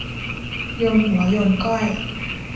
โยนหัวโยนก้อย